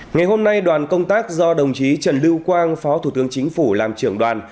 ngày hôm nay đoàn công tác do đồng chí trần lưu quang phó thủ tướng chính phủ làm trưởng đoàn